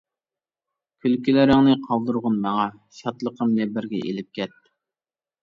كۈلكىلىرىڭنى قالدۇرغىن ماڭا، شادلىقىمنى بىرگە ئېلىپ كەت.